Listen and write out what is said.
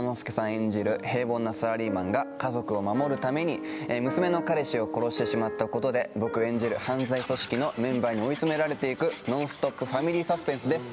演じる平凡なサラリーマンが家族を守るために娘の彼氏を殺してしまったことで僕演じる犯罪組織のメンバーに追い詰められていくノンストップファミリーサスペンスです